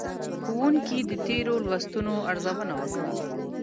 ښوونکي تېرو لوستونو ارزونه وکړه.